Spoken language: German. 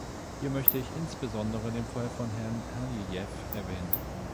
Hier möchte ich insbesondere den Fall von Herrn Hajiyev erwähnen.